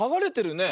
ねえ。